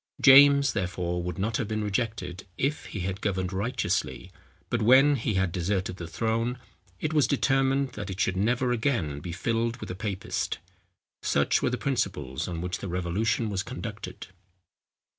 James, therefore, would not have been rejected if he had governed righteously; but when he had deserted the throne, it was determined that it should never again be filled with a papist. Such were the principles on which the revolution was conducted.